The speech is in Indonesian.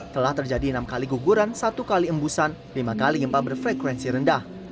telah terjadi enam kali guguran satu kali embusan lima kali gempa berfrekuensi rendah